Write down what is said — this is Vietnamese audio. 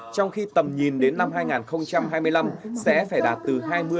trong khi tầm nhìn đến năm hai nghìn hai mươi năm sẽ phải đạt từ hai mươi năm mươi